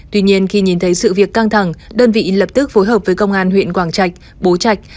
tuy nhiên khi nhìn thấy sự việc căng thẳng đơn vị lập tức phối hợp với công an huyện quảng trạch bố trạch